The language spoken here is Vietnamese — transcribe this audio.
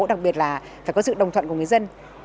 đặc biệt là phải có sự đồng thuận của người dân